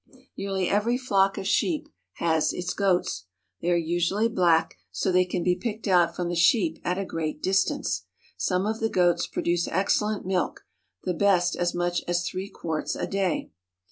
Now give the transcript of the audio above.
Nearly every flock of sheep has its goats. They are usually black so they can be picked out from the sheep at a great distance. Some of the goats produce excellent milk, the best as much as three quarts a day.